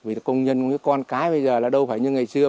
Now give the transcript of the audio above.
vì công nhân với con cái bây giờ là đâu phải như ngày xưa